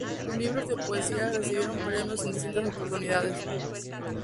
Sus libros de poesías recibieron premios en distintas oportunidades.